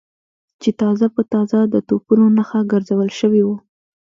چې تازه په تازه د توپونو نښه ګرځول شوي و.